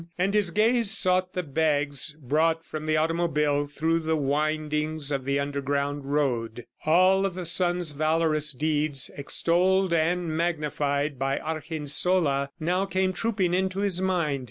And his gaze sought the bags brought from the automobile through the windings of the underground road. All of the son's valorous deeds, extolled and magnified by Argensola, now came trooping into his mind.